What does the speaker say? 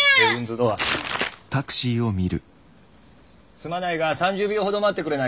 すまないが３０秒ほど待ってくれないか？